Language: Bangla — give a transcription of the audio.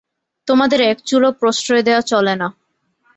তোমাদের একচুলও প্রশ্রয় দেওয়া চলে না।